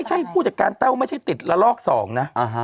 ไม่ใช่พูดจัดการแต้วไม่ใช่ติดละลอกสองนะ